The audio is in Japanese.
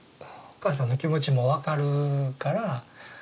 お母さんの気持ちも分かるから。